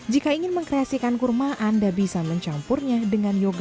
jika ingin mengkreasikan kurma anda bisa mencampurnya dengan yoga